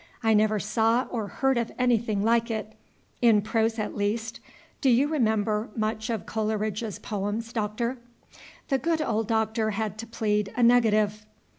I never saw or heard of anything like it, in prose at least; do you remember much of Coleridge's Poems, Doctor?" The good old Doctor had to plead a negative.